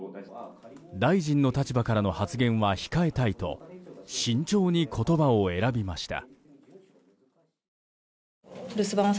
大臣の立場からの発言は控えたいと慎重に言葉を選びました。